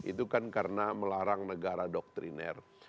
itu kan karena melarang negara doktriner